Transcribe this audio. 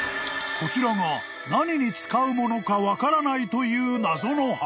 ［こちらが何に使うものか分からないという］